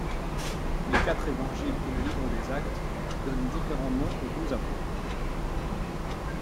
Les quatre évangiles et le livre des Actes donnent différents noms aux douze apôtres.